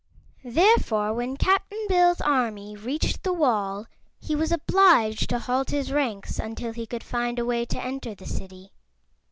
Therefore when Cap'n Bill's army reached the wall he was obliged to halt his ranks until he could find a way to enter the City.